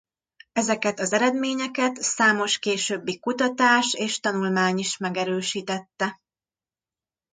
Ezeket az eredményeket számos későbbi kutatás és tanulmány is megerősítette.